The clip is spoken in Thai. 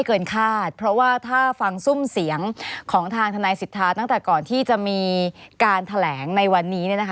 เกินคาดเพราะว่าถ้าฟังซุ่มเสียงของทางทนายสิทธาตั้งแต่ก่อนที่จะมีการแถลงในวันนี้